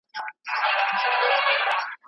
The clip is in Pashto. هغوی به ستاسو په خبرو پوره باور وکړي.